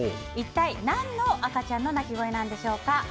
一体何の赤ちゃんの鳴き声なんでしょうか。